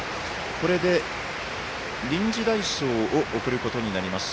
これで臨時代走を送ることになります。